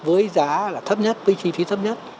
với giá là thấp nhất với chi phí thấp nhất